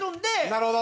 なるほど！